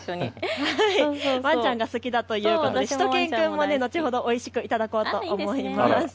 ワンちゃんが好きだということでしゅと犬くんも後ほどおいしく頂こうと思います。